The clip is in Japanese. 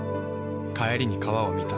帰りに川を見た。